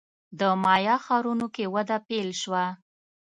د مایا ښارونو کې وده پیل شوه.